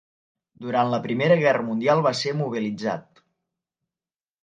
Durant la Primera Guerra Mundial va ser mobilitzat.